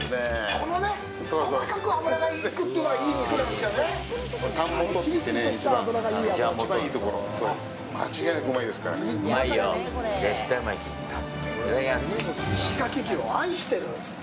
このね、細かく脂がいくっていうのがいい肉なんですよね。